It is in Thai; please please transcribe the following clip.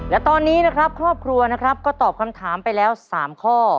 และตอนนี้ครอบครัวก็ตอบคำถามไปแล้ว๓ข้อ